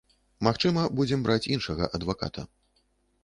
Магчыма, будзем браць іншага адваката.